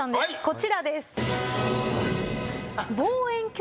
こちらです。